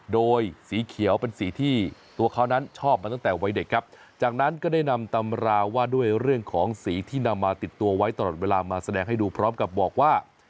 โดยสีเขียวเป็นสีที่ตัวเขานั้นชอบมาตั้งแต่วัยเด็กครับจากนั้นก็ได้นำตำราว่าด้วยเรื่องของสีที่นำมาติดตัวไว้ตลอดเวลามาแสดงให้ดูพร้อมกับบอกว่า